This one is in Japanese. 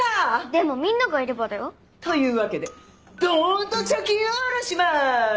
でもみんながいればだよ？というわけでどんと貯金を下ろします！